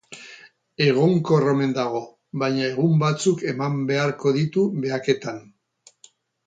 Egonkor omen dago, baina egun batzuk eman beharko ditu behaketan.